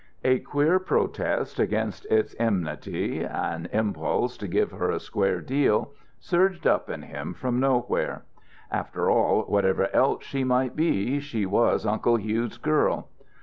A queer protest against its enmity, an impulse to give her a square deal, surged up in him from nowhere. After all, whatever else she might be, she was Uncle Hugh's girl.